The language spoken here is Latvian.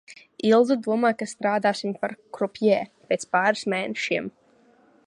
Ilze domā, ka strādāsim par krupjē pēc pāris mēnešiem.